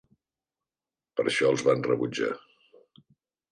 Per això els van rebutjar.